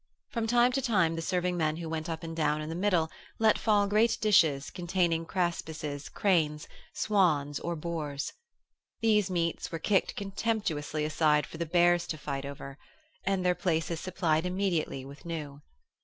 From time to time the serving men who went up and down in the middle let fall great dishes containing craspisces, cranes, swans or boars. These meats were kicked contemptuously aside for the bears to fight over, and their places supplied immediately with new.